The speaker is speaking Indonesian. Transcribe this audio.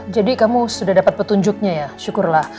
jadi kamu sudah dapat petunjuknya ya syukurlah